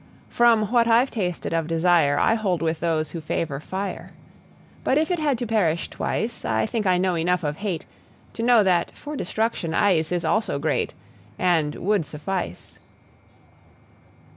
From what I've tasted of desireI hold with those who favor fire. But if it had to perish twice,I think I know enough of hateTo know that for destruction iceIs also greatAnd would suffice.